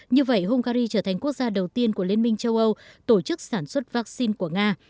như vậy hungary trở thành quốc gia đầu tiên của liên minh châu âu tổ chức sản xuất vaccine của nga